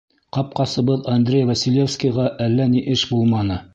Ҡапҡасыбыҙ Андрей Василевскийға әллә ни эш булманы.